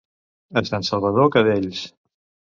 A Sant Salvador, cadells.